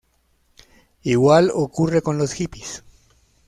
Igual ocurre con los hippies.